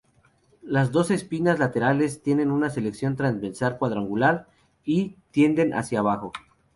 Los dos espinas laterales tienen una sección transversal cuadrangular y tienden hacia abajo.